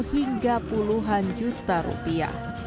hingga puluhan juta rupiah